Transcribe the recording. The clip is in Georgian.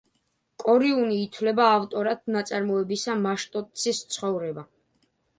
კორიუნი ითვლება ავტორად ნაწარმოებისა „მაშტოცის ცხოვრება“.